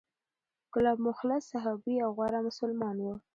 کلاب مخلص صحابي او غوره مسلمان و،